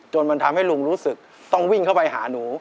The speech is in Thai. จนมันทำให้ลุงรู้สึกต้องวิ่งเข้าไปหาหนู